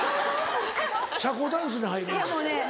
社交ダンスに入るんですよ。